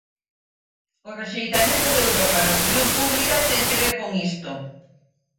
O rexeitamento de Europa na opinión pública ten que ver con isto.